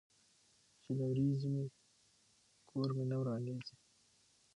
ـ چې لوريږي مې، کور مې نه ورانيږي.